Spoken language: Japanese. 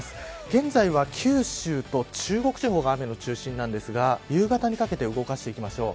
現在は九州と中国地方が雨の中心なんですが夕方にかけて動かしていきましょう。